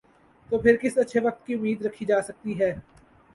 ، تو پھر کس اچھے وقت کی امید رکھی جا سکتی ہے ۔